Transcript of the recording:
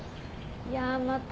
いやまあ